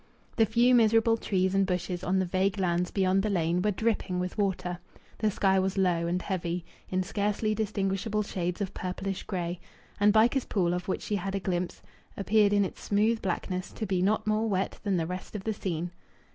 The few miserable trees and bushes on the vague lands beyond the lane were dripping with water. The sky was low and heavy, in scarcely distinguishable shades of purplish grey, and Bycars Pool, of which she had a glimpse, appeared in its smooth blackness to be not more wet than the rest of the scene.